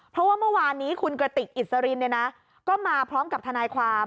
เพราะว่าเมื่อวานนี้คุณกระติกอิสรินก็มาพร้อมกับทนายความ